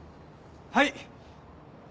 はい！